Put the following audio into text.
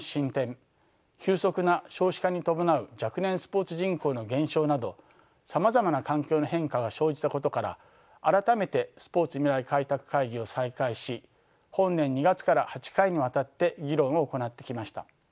急速な少子化に伴う若年スポーツ人口の減少などさまざまな環境の変化が生じたことから改めてスポーツ未来開拓会議を再開し本年２月から８回にわたって議論を行ってきました。